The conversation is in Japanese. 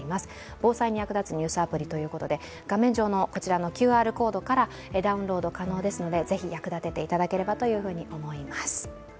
防災に役立つニュースアプリということで、画面上のＱＲコードからダウンロード可能ですのでぜひ役立てていただければと思います。